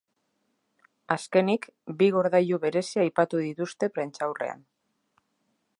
Azkenik, bi gordailu berezi aipatu dituzte prentsaurrean.